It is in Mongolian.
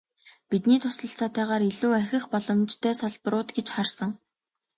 Бидний туслалцаатайгаар илүү ахих боломжтой салбарууд гэж харсан.